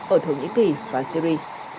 ở thổ nhĩ kỳ và syri